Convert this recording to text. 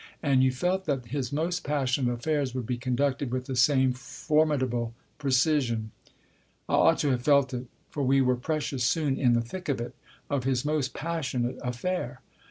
And you felt that his most passionate affairs would be conducted with the same formidable precision. I ought to have felt it. For we were precious soon in the thick of it of his most passionate affair.